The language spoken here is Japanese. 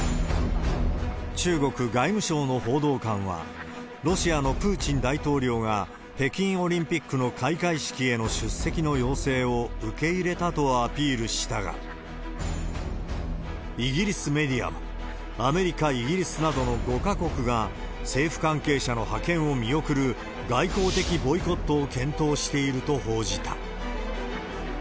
中国外務省の報道官は、ロシアのプーチン大統領が北京オリンピックの開会式への出席の要請を受け入れたとアピールしたが、イギリスメディアは、アメリカ、イギリスなどの５か国が、政府関係者の派遣を見送る外交的ボイコットを検討していると報じた。